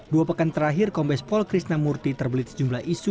dua pekan terakhir kombes pol krisnamurti terbelit sejumlah isu